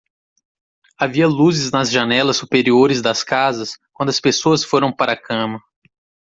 Havia luzes nas janelas superiores das casas quando as pessoas foram para a cama.